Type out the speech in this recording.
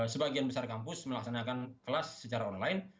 sebagian besar kampus melaksanakan kelas secara online